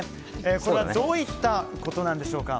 これはどういったことなんでしょうか。